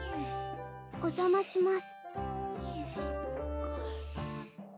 お邪魔します